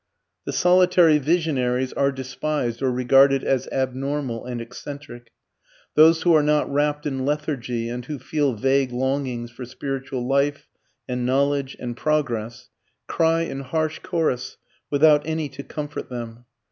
The solitary visionaries are despised or regarded as abnormal and eccentric. Those who are not wrapped in lethargy and who feel vague longings for spiritual life and knowledge and progress, cry in harsh chorus, without any to comfort them.